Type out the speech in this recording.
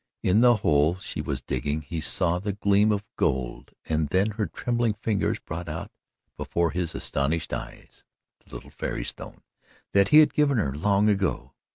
In the hole she was digging he saw the gleam of gold and then her trembling fingers brought out before his astonished eyes the little fairy stone that he had given her long ago.